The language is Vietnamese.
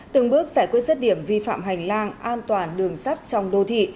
từng bước giải quyết rứt điểm vi phạm hành lang an toàn đường sắt trong đô thị